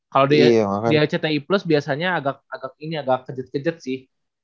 kalau dia chatnya iplus biasanya agak kejejit kejejit sih